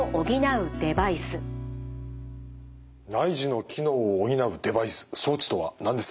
内耳の機能を補うデバイス装置とは何ですか？